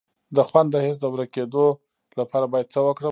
د خوند د حس د ورکیدو لپاره باید څه وکړم؟